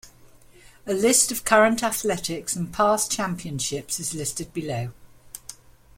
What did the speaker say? A list of current athletics and past championships is listed below.